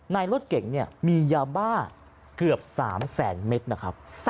รถเก่งเนี่ยมียาบ้าเกือบ๓แสนเมตรนะครับ